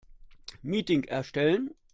Meeting erstellen.